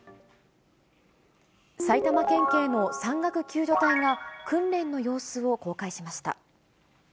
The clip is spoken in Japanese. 埼玉県警の山岳救助隊が訓練の様子を公開しました。